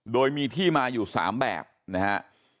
โดยมีที่มาอยู่๓แบบนะฮะ